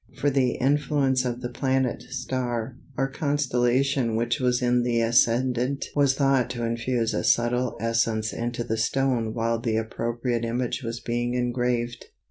For the influence of the planet, star, or constellation which was in the ascendant was thought to infuse a subtle essence into the stone while the appropriate image was being engraved.